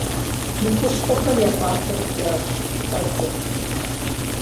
Мы хущхъуэхэм я пӏэлъэр икӏащ, хыфӏэдзэ.